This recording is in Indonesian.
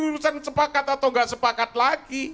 urusan sepakat atau nggak sepakat lagi